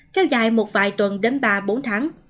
kéo dài một vài tuần đến ba bốn tháng